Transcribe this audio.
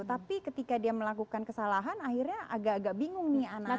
tapi ketika dia melakukan kesalahan akhirnya agak agak bingung nih anak anak itu